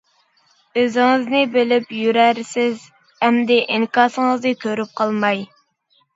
ئۆزىڭىزنى بىلىپ يۈرەرسىز، ئەمدى ئىنكاسىڭىزنى كۆرۈپ قالماي.